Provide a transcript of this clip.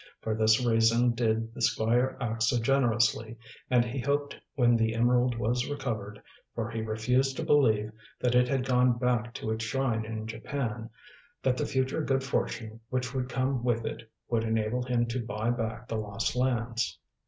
For this reason did the Squire act so generously, and he hoped when the emerald was recovered for he refused to believe that it had gone back to its shrine in Japan that the future good fortune which would come with it would enable him to buy back the lost lands.